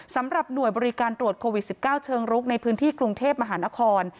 สำหรับหน่วยบริการตรวจโควิด๑๙เชิงรุกในพื้นที่กรุงเทพมหานคร